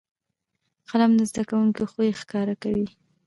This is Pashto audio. قلم د زده کوونکو خوی ښکاره کوي